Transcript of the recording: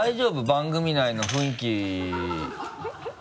番組内の雰囲気。